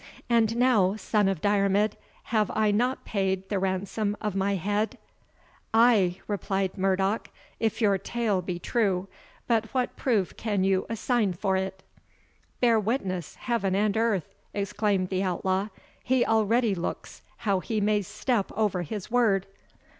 And now, Son of Diarmid, have I not paid the ransom of my head?" "Ay," replied Murdoch, "if your tale be true; but what proof can you assign for it?" "Bear witness, heaven and earth," exclaimed the outlaw, "he already looks how he may step over his word!"